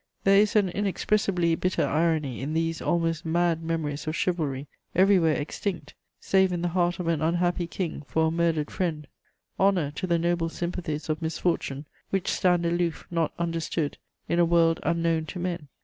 There is an inexpressibly bitter irony in these almost mad memories of chivalry, everywhere extinct, save in the heart of an unhappy king for a murdered friend; honour to the noble sympathies of misfortune, which stand aloof, not understood, in a world unknown to men!